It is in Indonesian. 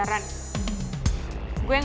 gue gak mau dia deket deket boy lagi